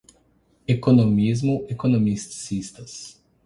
Economicismo, economicistas